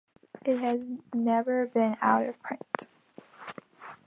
It has never been out of print.